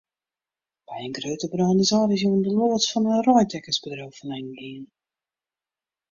By in grutte brân is âldjiersjûn de loads fan in reidtekkersbedriuw ferlern gien.